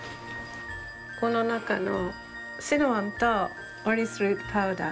この中のシナモンとオリスルートパウダー。